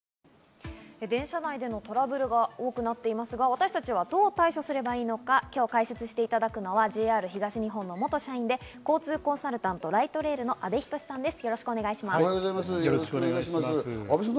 電車内でのトラブルが多くなっていますが、私たちはどう対処すればいいのか、今日解説していただくのはＪＲ東日本の元社員で、交通コンサルタント、ライトレールの社長・阿部等さんです。